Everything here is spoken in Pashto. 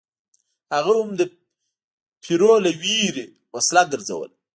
هغه هم د پیرو له ویرې وسله ګرځوله.